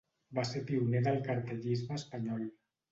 Va ser pioner del cartellisme espanyol.